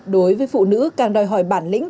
đối với phụ nữ càng đòi hỏi bản lĩnh